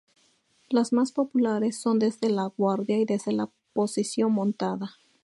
Las más populares son desde la guardia y desde la posición montada.